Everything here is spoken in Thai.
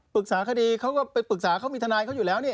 คดีเขาก็ไปปรึกษาเขามีทนายเขาอยู่แล้วนี่